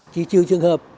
chỉ trừ trường hợp